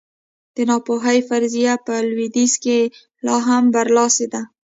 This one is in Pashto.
د ناپوهۍ فرضیه په لوېدیځ کې لا هم برلاسې ده.